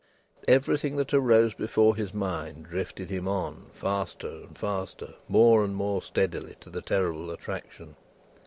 Everything that arose before his mind drifted him on, faster and faster, more and more steadily, to the terrible attraction.